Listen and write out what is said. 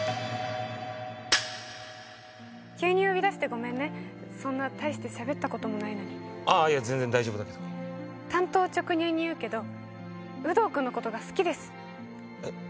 急に呼び出してごめんねそんな大して喋ったこともないのにああいや全然大丈夫だけど単刀直入に言うけどウドウ君のことが好きですえっ？